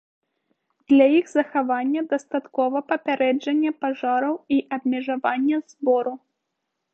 Для іх захавання дастаткова папярэджання пажараў і абмежавання збору.